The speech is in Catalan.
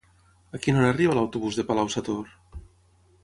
A quina hora arriba l'autobús de Palau-sator?